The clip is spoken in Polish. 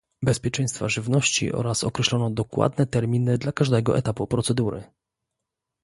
Bezpieczeństwa Żywności oraz określono dokładne terminy dla każdego etapu procedury